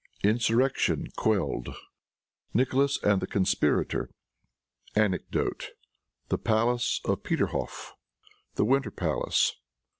Insurrection Quelled. Nicholas and the Conspirator. Anecdote. The Palace of Peterhoff. The Winter Palace.